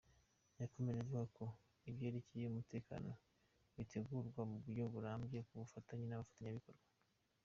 Yakomeje avuga ko ibyerekeye umutekano bitegurwa mu buryo burambye ku bufatanye n’abafatanyabikorwa.